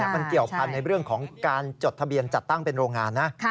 มันเกี่ยวพันธุ์ในเรื่องของการจดทะเบียนจัดตั้งเป็นโรงงานนะ